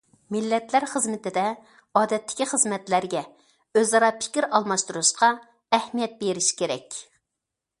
مىللەتلەر خىزمىتىدە ئادەتتىكى خىزمەتلەرگە، ئۆز ئارا پىكىر ئالماشتۇرۇشقا ئەھمىيەت بېرىش كېرەك.